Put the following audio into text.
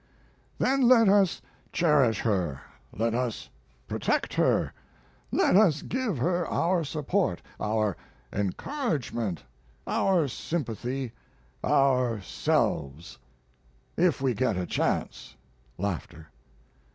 D.W.] Then let us cherish her, let us protect her, let us give her our support, our encouragement, our sympathy ourselves, if we get a chance. [Laughter.